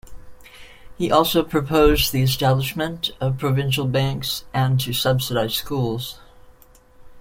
He also proposed the establishment of provincial banks and to subsidize schools.